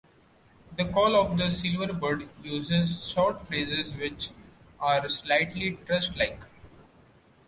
The call of the silverbird uses short phrases which are slightly thrush-like.